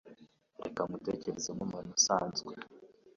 Reka kuntekereza nkumuntu usanzwe.